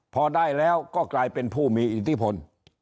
พอได้แล้วก็กลายเป็นผู้มีอิทธิพล